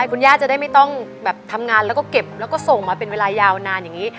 คุณย่าจะได้ไม่ต้องแบบทำงานแล้วก็เก็บแล้วก็ส่งมาเป็นเวลายาวนานอย่างนี้